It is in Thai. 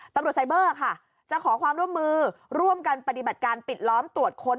ไซเบอร์ค่ะจะขอความร่วมมือร่วมกันปฏิบัติการปิดล้อมตรวจค้น